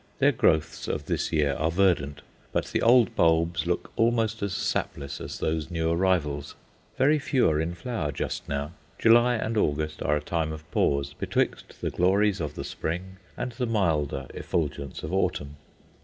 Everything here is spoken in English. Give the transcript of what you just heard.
Their growths of this year are verdant, but the old bulbs look almost as sapless as those new arrivals. Very few are in flower just now July and August are a time of pause betwixt the glories of the Spring and the milder effulgence of Autumn.